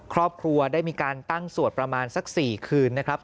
ครอบครัวได้มีการตั้งสวดประมาณสัก๔คืนนะครับ